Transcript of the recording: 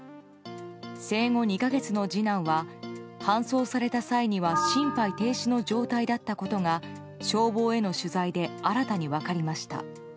生後２か月の次男は搬送された際には心肺停止の状態だったことが消防への取材で新たに分かりました。